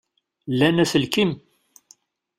Llan aselkim?